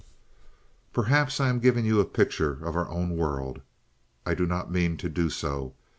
"Perhaps I am giving you a picture of our own world. I do not mean to do so.